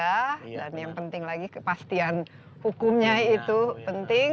dan yang penting lagi kepastian hukumnya itu penting